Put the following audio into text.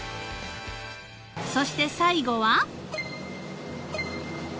［そして最後は］